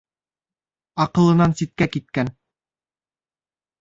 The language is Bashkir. Аҡылынан ситкә киткән.